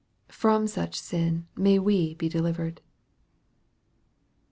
From such sin may we be delivered